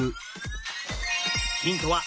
ヒントは